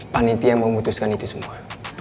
panitia memutuskan itu semua